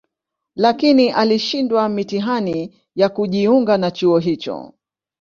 Lakini alishindwa mitihani ya kujiunga na chuo hicho